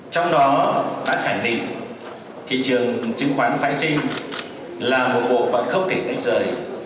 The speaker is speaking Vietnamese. trong đó đã khẳng định thị trường chứng khoán phái sinh là một bộ vận không thể cách rời